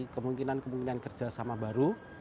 kemungkinan kemungkinan kerjasama baru